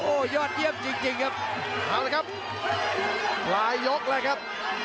โอ้ยอดเยี่ยมจริงครับลายกเลยครับ